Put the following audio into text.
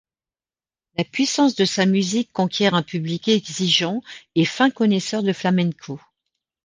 La puissance de sa musique conquiert un public exigeant et fin connaisseur de flamenco.